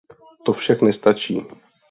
To však nestačí!